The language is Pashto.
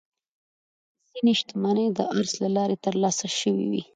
ځینې شتمنۍ د ارث له لارې ترلاسه شوې وي.